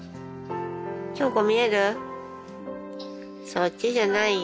そっちじゃないよ